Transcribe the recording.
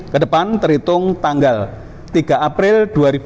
ke depan terhitung tanggal tiga april dua ribu dua puluh empat